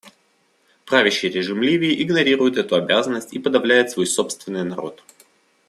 Правящий режим Ливии игнорирует эту обязанность и подавляет свой собственный народ.